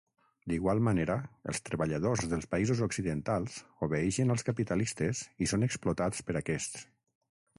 D’igual manera, els treballadors dels països occidentals obeeixen als capitalistes i són explotats per aquests.